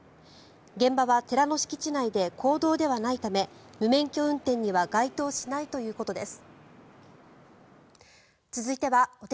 現場は寺の敷地内で公道ではないため無免許運転には該当しないということです。